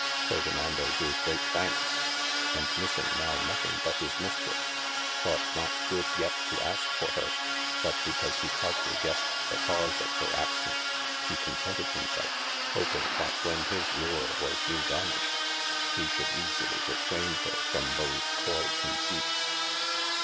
Ferdinando gave great thankes, & missing now nothing but his Mistresse, thought not good yet to aske for hir, but because he partly gessed the cause of hir absence, he contented himselfe, hoping that when his lure was newe garnished, he shoulde easely recleame hyr from those coy conceyptes.